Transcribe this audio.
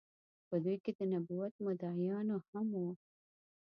په دوی کې د نبوت مدعيانو هم وو